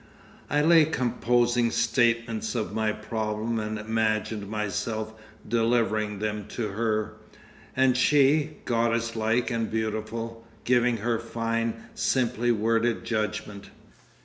I lay composing statements of my problem and imagined myself delivering them to her—and she, goddess like and beautiful; giving her fine, simply worded judgment.